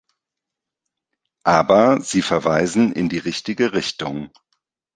Aber Sie verweisen in die richtige Richtung.